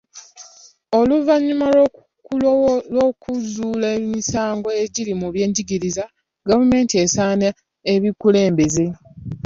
Oluvannyuma lw'okuzuula emigaso egiri mu byenjigiriza, gavumenti esaana ebikulembeze.